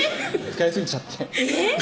使いすぎちゃってえっ？